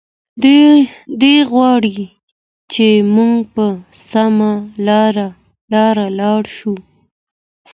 دی غواړي چې موږ په سمه لاره لاړ شو.